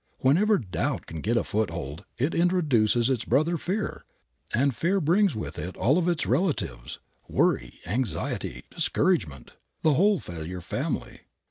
Wherever doubt can get a foothold it introduces its brother fear, and fear brings with it all of its relatives, worry, anxiety, discouragement the whole failure family.